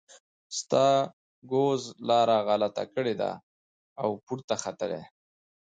ستا ګوز لاره غلطه کړې ده او پورته ختلی.